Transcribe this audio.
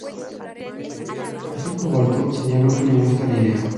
Azul cobalto señaló que le gustó la idea.